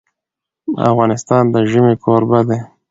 افغانستان د ژمی کوربه دی.